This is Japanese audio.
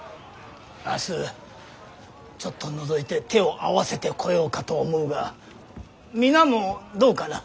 明日ちょっとのぞいて手を合わせてこようかと思うが皆もどうかな。